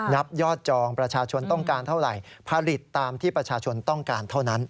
นับยอดจองประชาชนต้องการเท่าไหร่ผลิตตามที่ประชาชนต้องการเท่านั้น